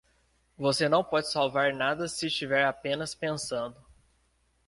Você não pode salvar nada se estiver apenas pensando.